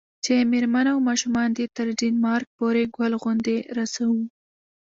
چې میرمن او ماشومان دې تر ډنمارک پورې ګل غوندې رسوو.